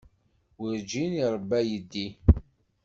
Werǧin iṛebba aydi.